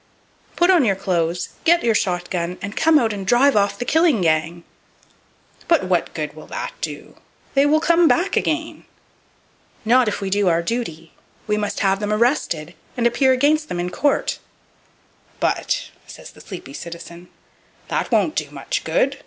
"Put on your clothes, get your shot gun and come out and drive off the killing gang." "But what good will that do? They will come back again." "Not if we do our duty. We must have them arrested, and appear against them in court." "But," says the sleepy citizen, "That won't do much good.